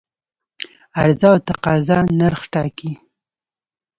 عرضه او تقاضا نرخ ټاکي.